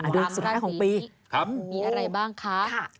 เดือนสุดท้ายของปีมีอะไรบ้างคะ